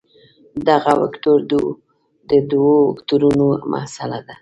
دغه وکتور د دوو وکتورونو محصله ده.